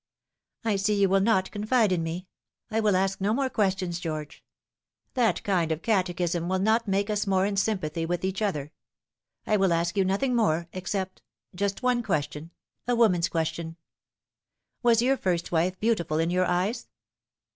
" I see you will not confide in me. I will ask no more ques tions, George. That kind of catechism will not make us more in sympathy with each other. I will ask you nothing more except just one question a woman's question. Was your first wife beautiful in your eyes